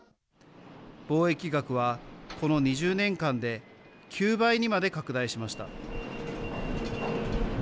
貿易額は、この２０年間で９倍にまで拡大しました。